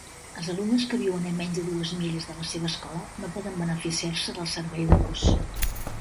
Els alumnes que viuen a menys de dues milles de la seva escola no poden beneficiar-se del servei de bus.